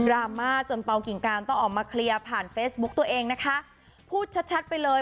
รามาจนเปล่ากิ่งการต้องออกมาเคลียร์ผ่านเฟซบุ๊กตัวเองนะคะพูดชัดชัดไปเลย